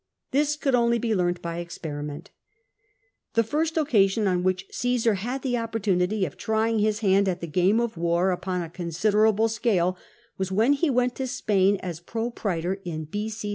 This could only be learnt by making the experiment. The first occasion on which Caesar had the opportunity of trying his hand at the game of war upon a considerable scale was when he went to Spain as propraetor in B.c.